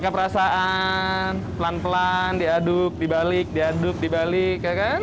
pakai perasaan pelan pelan diaduk dibalik diaduk dibalik ya kan